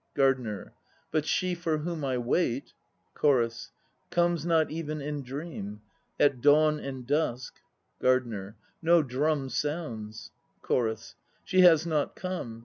GARDENER. But she for whom I wait CHORUS. Comes not even in dream. At dawn and dusk GARDENER. No drum sounds. CHORUS. She has not come.